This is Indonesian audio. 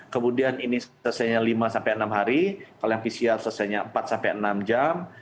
kemudian ini selesainya lima sampai enam hari kalau yang pcr selesainya empat sampai enam jam